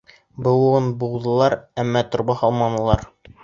Быуыуын-быуҙылар, әммә торба һалманылар.